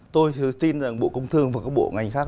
tôi tin rằng bộ công thương và các bộ ngành khác